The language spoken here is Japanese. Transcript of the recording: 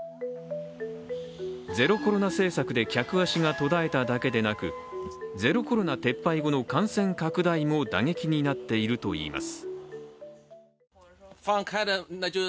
ゼロコロナ政策で客足が途絶えただけでなくゼロコロナ撤廃後の感染拡大も打撃になっているといいます。